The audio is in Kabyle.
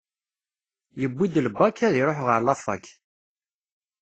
Yiwi-d lbak, ad iruḥ ɣer lafak